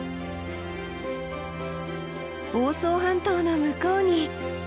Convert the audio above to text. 房総半島の向こうに。